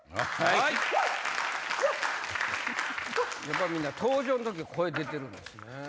やっぱりみんな登場の時声出てるんですねぇ。